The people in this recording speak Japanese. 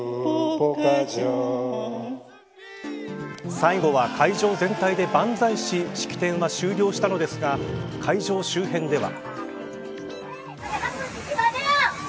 最後は会場全体で万歳し式典は終了したのですが会場周辺では。